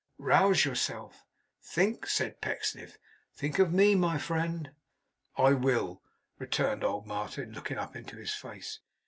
Rouse yourself. Think,' said Pecksniff, 'think of Me, my friend.' 'I will,' returned old Martin, looking up into his face.